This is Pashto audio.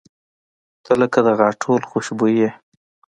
• ته لکه د غاټول خوشبويي یې.